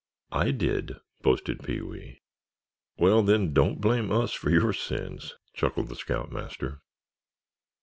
"I did," boasted Pee wee. "Well, then, don't blame us for your sins," chuckled the scoutmaster.